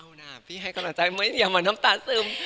เอานะพี่ให้กำหนดใจไหมเหมือนน้ำตาซึม